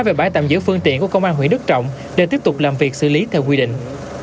về bãi tạm giữ phương tiện của công an huyện đức trọng để tiếp tục làm việc xử lý theo quy định